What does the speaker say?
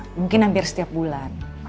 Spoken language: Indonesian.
mungkin hampir setiap bulan